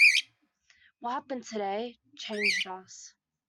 What happened today changed us.